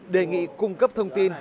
đề nghị cung cấp thông tin